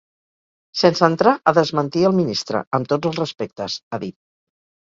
Sense entrar a desmentir el ministre, amb tots els respectes, ha dit.